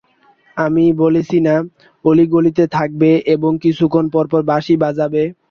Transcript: আমি বলেছি না, অলি-গলিতে থাকবে এবং কিছুক্ষণ পরপর বাঁশি বাজাবে?